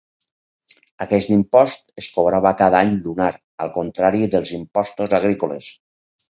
Aquest impost es cobrava cada any lunar, al contrari dels impostos agrícoles.